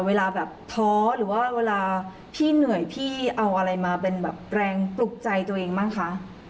เวลาแบบท้อหรือว่าเวลาพี่เหนื่อยพี่เอาอะไรมาเป็นแบบแรงปลุกใจตัวเองบ้างคะ